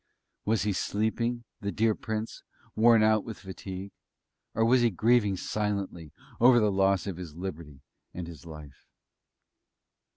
Was he sleeping, the dear Prince, worn out with fatigue? Or was he grieving silently over the loss of his liberty, and his life?